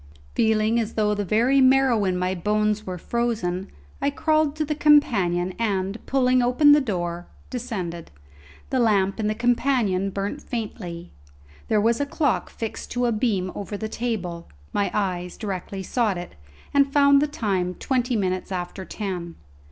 Feeling as though the very marrow in my bones were frozen, I crawled to the companion and, pulling open the door, descended. The lamp in the companion burnt faintly. There was a clock fixed to a beam over the table; my eyes directly sought it, and found the time twenty minutes after ten.